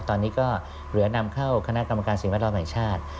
ตอนนี้ก็เหลือนำเข้าคณะกรรมการสิ่งแวดล้อมแห่งชาติ